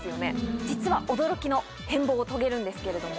実は驚きの変貌を遂げるんですけれども。